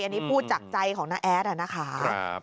อันนี้พูดจากใจของน้าแอดนะคะ